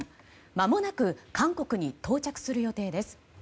まもなく韓国に到着する予定です。